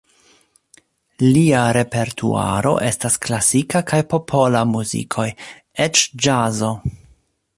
Lia repertuaro estas klasika kaj popola muzikoj, eĉ ĵazo.